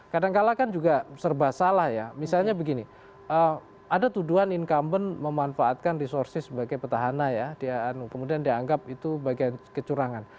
kadangkala kan juga serba salah ya misalnya begini ada tuduhan incumbent memanfaatkan resources sebagai petahana ya kemudian dianggap itu bagian kecurangan